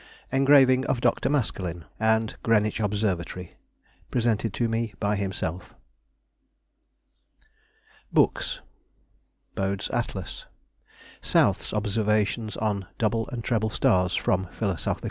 Engraving of Dr. Maskelyne, and Greenwich Observatory (presented to me by himself). BOOKS. Bode's Atlas. South's Observations on Double and Treble Stars, from Phil.